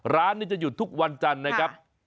ร้านนี้จะหยุดทุกวันจันทร์นะครับ